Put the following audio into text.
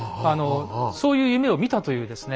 そういう夢を見たというですね